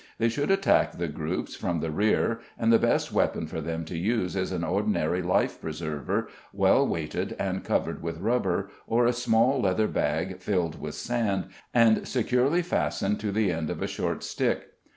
They should attack the groups from the rear, and the best weapon for them to use is an ordinary life preserver, well weighted and covered with rubber, or a small leather bag filled with sand and securely fastened to the end of a short stick.